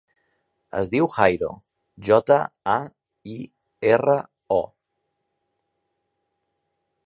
Es diu Jairo: jota, a, i, erra, o.